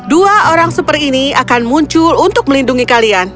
dua orang super ini akan muncul untuk melindungi kalian